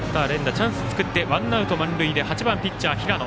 チャンスを作ってワンアウト、満塁で３番ピッチャー、平野。